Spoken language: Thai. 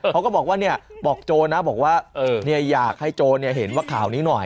เขาก็บอกว่าบอกโจรนะบอกว่าอยากให้โจรเห็นว่าข่าวนี้หน่อย